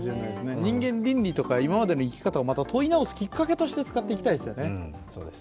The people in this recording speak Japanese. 人間倫理とか今までの生き方を問い直すきっかけとして使っていきたいですよね。